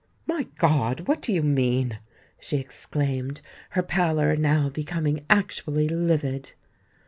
"My God! what do you mean?" she exclaimed, her pallor now becoming actually livid.